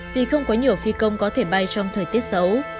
vì không có nhiều phi công có thể bay trong thời tiết xấu